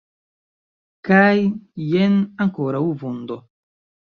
Kaj, jen, ankoraŭ vundo.